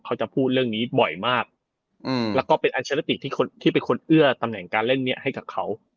เขาจะพูดเรื่องนี้บ่อยมากแล้วก็เป็นอัลเชอร์ติที่คนที่เป็นคนเอื้อตำแหน่งการเล่นเนี้ยให้กับเขา